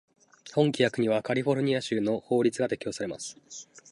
本規約にはカリフォルニア州の法律が適用されます。